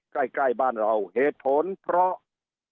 ใกล้บ้านเราเหตุผลเพราะ